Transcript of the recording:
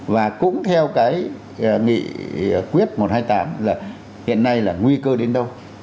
và cũng theo cái nghị quyết một trăm hai mươi tám là hiện nay là nguy cơ đến đâu